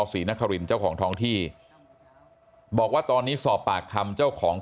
ศรีนครินเจ้าของท้องที่บอกว่าตอนนี้สอบปากคำเจ้าของ